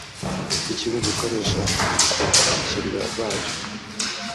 ikigo gikoresha ku bakiriya bacyo